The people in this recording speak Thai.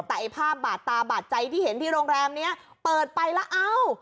แต่ไอ้ภาพบาดตาบาดใจที่เห็นที่โรงแรมนี้เปิดไปแล้วเอ้า